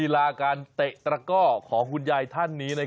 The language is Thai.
ลาการเตะตระก้อของคุณยายท่านนี้